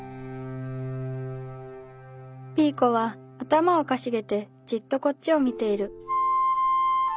「ピーコは頭をかしげてじっとこっちを見ている」